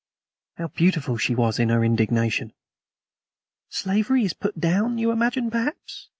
How beautiful she was in her indignation! "Slavery is put down, you imagine, perhaps?